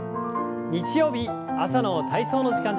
日曜日朝の体操の時間です。